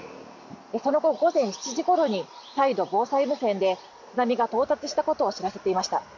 その後、午前７時ごろに再度防災無線で津波が到達したことを知らせていました。